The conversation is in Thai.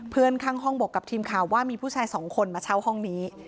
เพื่อนข้างห้องบอกกับทีมข่าวว่ามีผู้ชายสองคนมาเช่าห้องนี้